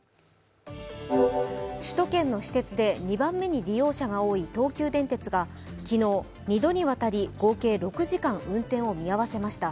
首都圏の私鉄で２番目に利用者が多い東急電鉄が昨日、２度にわたり合計６時間運転を見合わせました。